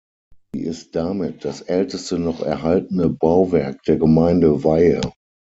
Sie ist damit das älteste noch erhaltene Bauwerk der Gemeinde Weyhe.